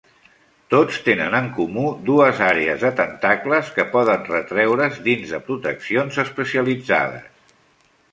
Tots tenen en comú dues àrees de tentacles que poden retreure's dins de proteccions especialitzades.